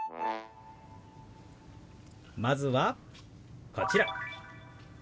まずはこちら。